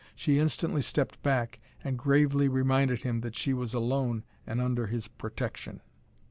She instantly stepped back and gravely reminded him that she was alone and under his protection.